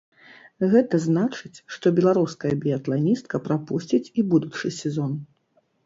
Гэта значыць, што беларуская біятланістка прапусціць і будучы сезон.